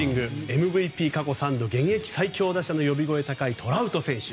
ＭＶＰ過去３度現役最高打者の呼び声高いトラウト選手。